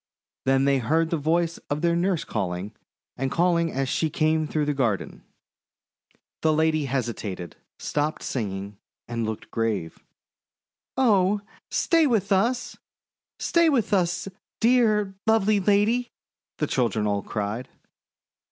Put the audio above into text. Then they heard the voice of their nurse calling and calling as she came through the garden. ]/ THE SNOWDROP FAIRY 9 The lady hesitated, stopped singing, and looked grave. "Oh, stay with us! Stay with us, dear, lovely lady!' the children all cried.